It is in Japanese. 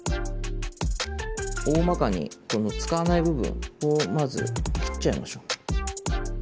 大まかにこの使わない部分ここをまず切っちゃいましょう。